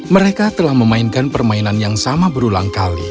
mereka telah memainkan permainan